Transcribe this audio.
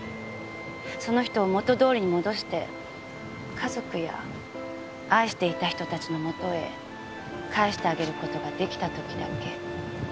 その人を元どおりに戻して家族や愛していた人たちの元へ返してあげる事が出来た時だけ。